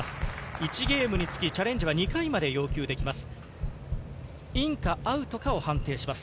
１ゲームにつきチャレンジは２回まで要求できます。